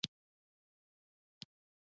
د کچالو د فصل اوبه خور څنګه دی؟